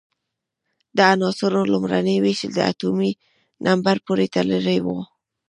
د عناصرو لومړنۍ وېشل د اتومي نمبر پورې تړلی وو.